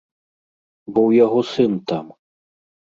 Бо ў яго сын там.